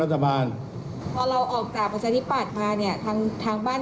รัฐบาลพอเราออกจากประชาธิปัตย์มาเนี่ยทางทางบ้าน